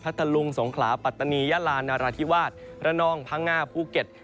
ทะลุงสงขลาปัตตานียาลานราธิวาสระนองพังงาภูเก็ต